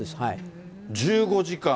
１５時間。